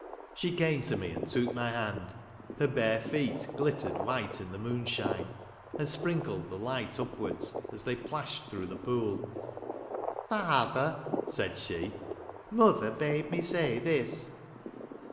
I She came to me, and took my hand. Her bare feet glittered white in the moonshine ; and sprinkled the light upwards, as they plashed through the pool. " Father," said she, " Mother bade me say this."